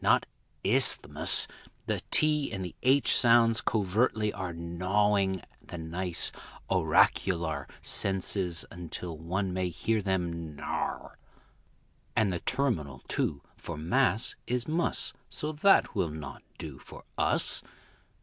not isthmus The t and the h sounds covertly are Gnawing the nice auracular Senses until one may hear them gnar And the terminal, too, for m_a_s, is m_u_s, So that will not do for us.